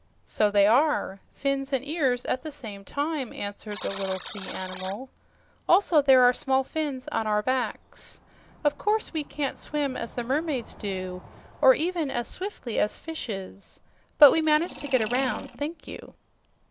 "So they are. Fins and ears at the same time," answered the little sea animal. "Also, there are small fins on our backs. Of course, we can't swim as the mermaids do, or even as swiftly as fishes; but we manage to get around, thank you."